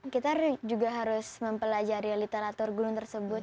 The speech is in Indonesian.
kita juga harus mempelajari literatur gunung tersebut